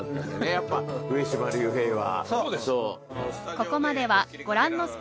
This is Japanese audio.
やっぱ上島竜兵は。